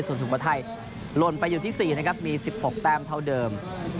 ส่วนสุโขทัยหล่นไปอยู่ที่๔นะครับมี๑๖แต้มเท่าเดิม